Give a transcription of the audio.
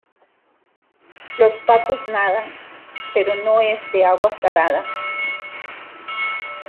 los patos nadan. pero no es de agua salada